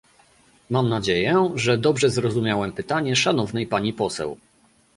Mam nadzieję, że dobrze zrozumiałem pytanie szanownej pani poseł